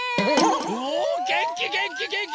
おげんきげんきげんき！